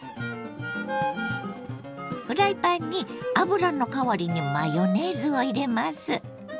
フライパンに油の代わりにマヨネーズを入れます。